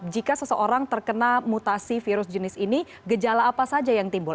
jika seseorang terkena mutasi virus jenis ini gejala apa saja yang timbul